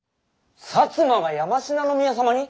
摩が山階宮様に！？